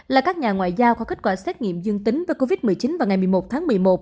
là các nhà ngoại giao có kết quả xét nghiệm dương tính với covid một mươi chín vào ngày một mươi một tháng một mươi một